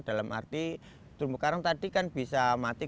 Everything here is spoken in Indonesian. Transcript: dalam arti terumbu karang tadi kan bisa mati